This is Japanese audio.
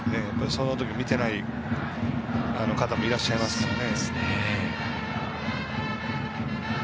その時を見ていない方もいらっしゃいますからね。